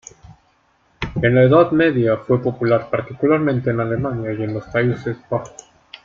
En la Edad Media fue popular particularmente en Alemania y en los Países Bajos.